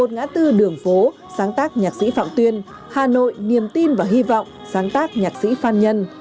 một ngã tư đường phố sáng tác nhạc sĩ phạm tuyên hà nội niềm tin và hy vọng sáng tác nhạc sĩ phan nhân